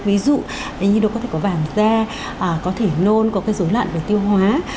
ví dụ như nó có thể có vàng da có thể nôn có cái dối loạn và tiêu hóa